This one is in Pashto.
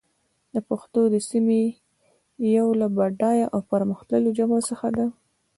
پښتو د سيمې يوه له بډايه او پرمختللو ژبو څخه ده.